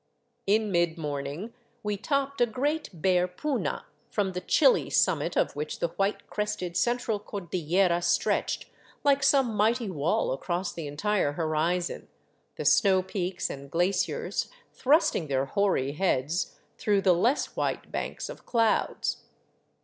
In mid morning we topped a great bare puna, from the chilly sum mit of which the white crested Central Cordillera stretched like some mighty wall across the entire horizon, the snow peaks and glaciers thrusting their hoary heads through the less white banks of clouds.